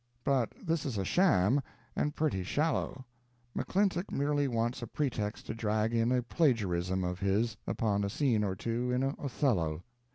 But this is a sham, and pretty shallow. McClintock merely wants a pretext to drag in a plagiarism of his upon a scene or two in "Othello."